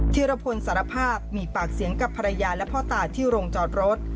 ธิรพลสารภาพมีปากเสียงกับภรรยาและพ่อตาที่โรงจอดรถ